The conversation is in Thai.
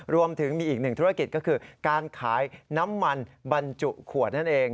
รวมถึงมีอีกหนึ่งธุรกิจก็คือการขายน้ำมันบรรจุขวดนั่นเอง